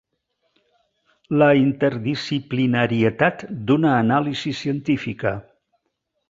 La interdisciplinarietat d'una anàlisi científica.